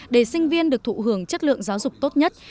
để sinh viên được thụ hưởng chất lượng giáo dục tốt nhất